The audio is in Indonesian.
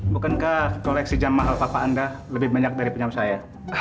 bukankah koleksi jam mahal papa anda lebih banyak dari penyam saya